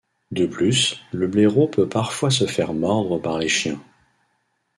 De plus, le blaireau peut parfois se faire mordre par les chiens.